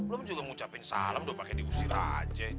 lo juga mau ngucapin salam lo pake diusir aja